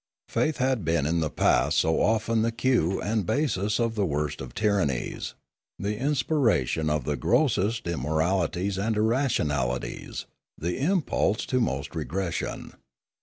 Faith had been in the past so often the cue and basis of the worst of tyrannies, the inspira tion of the grossest immoralities and irrationalities, the impulse to most retrogression.